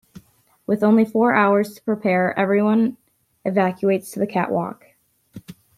With only four hours to prepare, everyone evacuates to the catwalk.